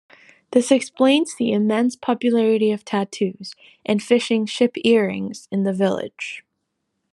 This explains the immense popularity of tattoos and fishing ship earrings in the village.